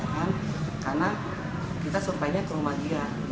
karena kita survive nya ke rumah dia